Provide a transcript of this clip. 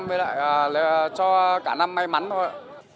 với lại cho cả năm may mắn thôi